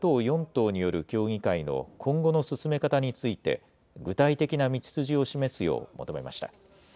党による協議会の今後の進め方について、具体的な道筋を示すよう求めました。